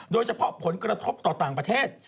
โดยเฉพาะผลกระทบต่อต่างประเทศ